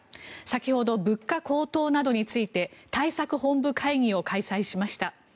先ほど、物価高騰などについて対策本部会議を開催しました。